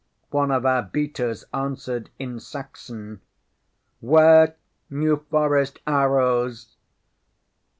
One of our beaters answered in Saxon: ŌĆ£ŌĆśWare New Forest arrows!